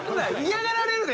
嫌がられるで？